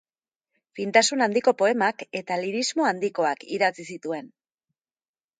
Fintasun handiko poemak eta lirismo handikoak idatzi zituen.